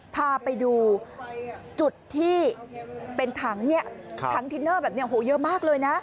พาไปดูจุดที่เป็นถังเนี่ยถังทินเนอร์แบบนี้เยอะมากเลยนะ